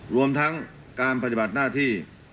รวมทั้งการปฏิบัติหน้าที่